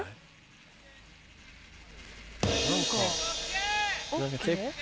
何か。